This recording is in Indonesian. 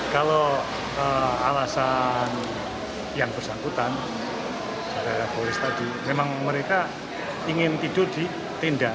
kalau alasan yang bersangkutan saudara polisi tadi memang mereka ingin tidur di tenda